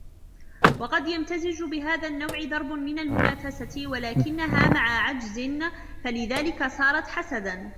وَقَدْ يَمْتَزِجُ بِهَذَا النَّوْعِ ضَرْبٌ مِنْ الْمُنَافَسَةِ وَلَكِنَّهَا مَعَ عَجْزٍ فَلِذَلِكَ صَارَتْ حَسَدًا